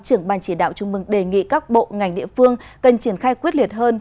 trưởng ban chỉ đạo trung mương đề nghị các bộ ngành địa phương cần triển khai quyết liệt hơn